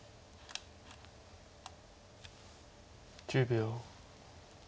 １０秒。